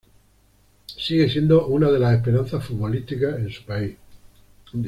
Sigue siendo una de las esperanzas futbolísticas en su país.